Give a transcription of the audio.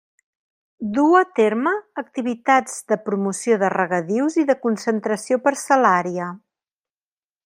Du a terme activitats de promoció de regadius i de concentració parcel·lària.